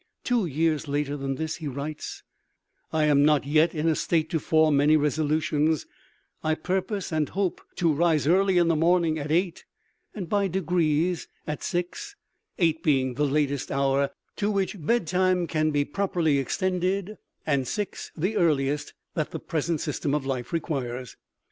Two years later than this he writes: "I am not yet in a state to form many resolutions; I purpose and hope to rise early in the morning at eight, and by degrees at six; eight being the latest hour to which bedtime can be properly extended; and six the earliest that the present system of life requires."